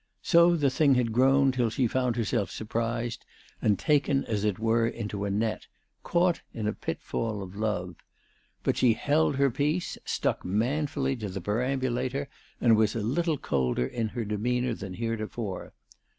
So the thing had grown till she had found herself surprised, and taken, as it were, into a net, caught in a pitfall of love. But she held her peace, ALICE DTJGDALE. 411 stuck manfully to the perambulator, and was a little colder in her demeanour than heretofore.